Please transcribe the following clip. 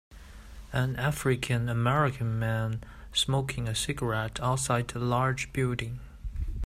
An African American man smoking a cigarette outside a large building.